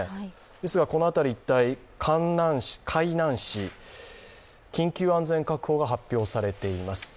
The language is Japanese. ですがこの辺り一帯、海南市、緊急安全確保が発表されています。